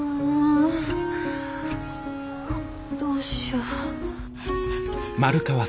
どうしよう。